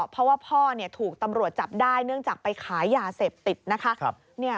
เพราะว่าพ่อถูกตำรวจจับได้เนื่องจากไปขายยาเสพติดนะคะ